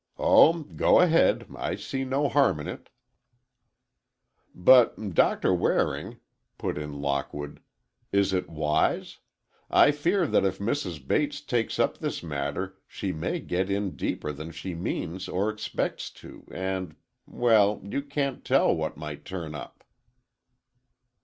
"Oh, go ahead,—I see no harm in it." "But, Doctor Waring," put in Lockwood, "is it wise? I fear that if Mrs. Bates takes up this matter she may get in deeper than she means or expects to, and—well, you can't tell what might turn up."